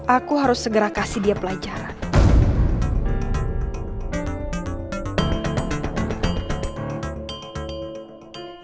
aku harus segera kasih dia pelajaran